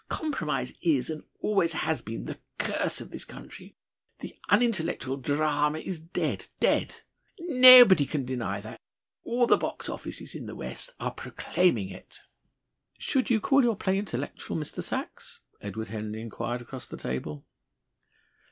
Compromise is and always has been the curse of this country. The unintellectual drahma is dead dead. Naoobody can deny that. All the box offices in the West are proclaiming it." "Should you call your play intellectual, Mr. Sachs?" Edward Henry inquired across the table.